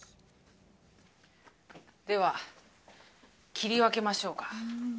では切り分けましょうか。